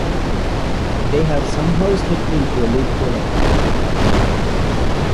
They have somehow slipped into a loophole of time.